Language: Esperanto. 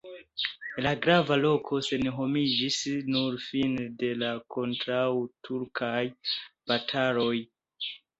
La grava loko senhomiĝis nur fine de la kontraŭturkaj bataloj.